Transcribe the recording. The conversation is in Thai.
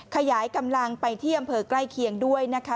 ขยายกำลังไปที่อำเภอใกล้เคียงด้วยนะคะ